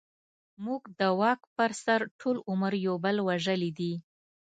موږ د واک پر سر ټول عمر يو بل وژلې دي.